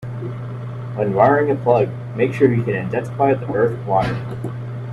When wiring a plug, make sure you can identify the earth wire